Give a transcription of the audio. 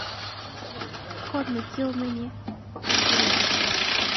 koot ni nekiomenye ochi lakwa